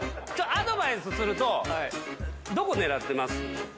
アドバイスするとどこ狙ってます？